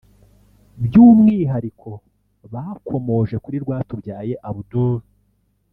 by'umwihariko bakomoje kuri Rwatubyaye Abdul